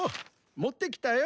持ってきたよ。